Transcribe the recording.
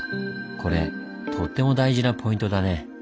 これとっても大事なポイントだね。